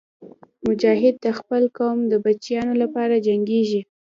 مجاهد د خپل قوم د بچیانو لپاره جنګېږي.